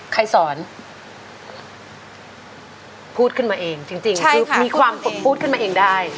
ใครสอนพูดขึ้นมาเองจริงคือมีความพูดขึ้นมาเองได้